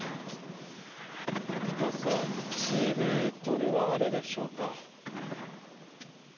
深さ１ｍはあるでしょうか。